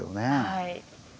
はい。